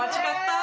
あ！